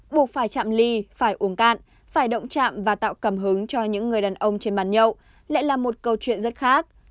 buộc phải chạm ly phải uống cạn phải động trạm và tạo cảm hứng cho những người đàn ông trên bàn nhậu lại là một câu chuyện rất khác